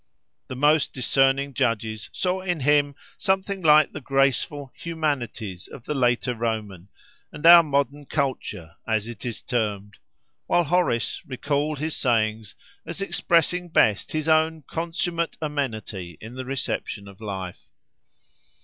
The most discerning judges saw in him something like the graceful "humanities" of the later Roman, and our modern "culture," as it is termed; while Horace recalled his sayings as expressing best his own consummate amenity in the reception of life.